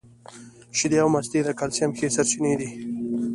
شیدې او مستې د کلسیم ښې سرچینې دي